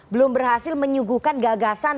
belum berhasil menyuguhkan gagasan